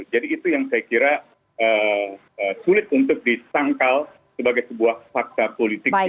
jadi itu yang saya kira sulit untuk disangkal sebagai sebuah fakta politik